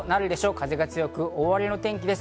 風が強く大荒れの天気です。